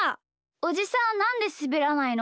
おじさんなんですべらないの？